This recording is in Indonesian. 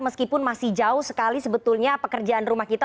meskipun masih jauh sekali sebetulnya pekerjaan rumah kita